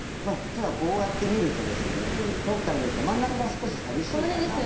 ただこうやって見るとですね遠くから見ると真ん中が少し寂しいかなと思います。